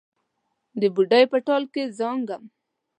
د بوډۍ په ټال کې زانګم